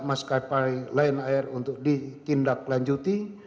maskapai lion air untuk ditindaklanjuti